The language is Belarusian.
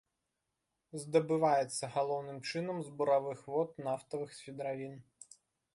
Здабываецца галоўным чынам з буравых вод нафтавых свідравін.